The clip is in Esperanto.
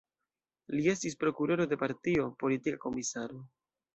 Li estis prokuroro de partio, politika komisaro.